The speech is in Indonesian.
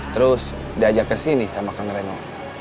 terus diajak ke sini sama kang reno